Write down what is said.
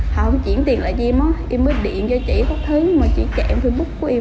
họ không chuyển tiền lại cho em em mới điện cho chị không thấy mà chỉ chạy facebook của em